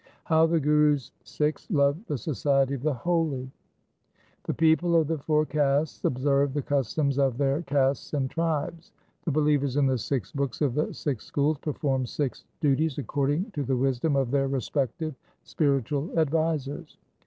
6 How the Guru's Sikhs love the society of the holy: — The people of the four castes observe the customs of their castes and tribes. The believers in the six books of the six schools perform six duties according to the wisdom of their respective spiritual advisers.